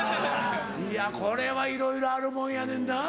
いやこれはいろいろあるもんやねんなぁ